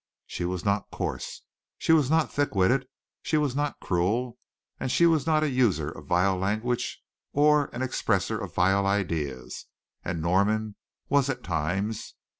She was not coarse, she was not thick witted, she was not cruel, she was not a user of vile language or an expresser of vile ideas, and Norman was at times.